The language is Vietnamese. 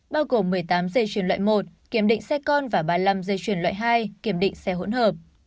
bao gồm một mươi tám dây chuyển loại một kiểm định xe con và ba mươi năm dây chuyển loại hai kiểm định xe hỗn hợp